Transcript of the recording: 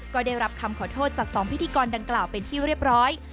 ก็ได้รับคำขอโทษจาก๒พิธีกรดังกล่าวเป็นที่เรียบร้อย